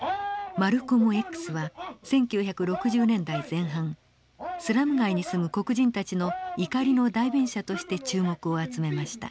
マルコムＸは１９６０年代前半スラム街に住む黒人たちの怒りの代弁者として注目を集めました。